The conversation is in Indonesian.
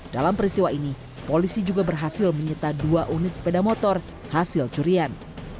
dalam peristiwa ini polisi juga berhasil menyita dua unit sepeda motor hasil curian